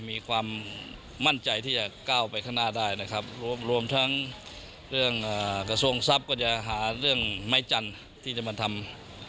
มีความมั่นใจที่จะก้าวไปข้างหน้าได้นะครับรวมทั้งเรื่องกระทรวงทรัพย์ก็จะหาเรื่องไม้จันทร์ที่จะมาทำ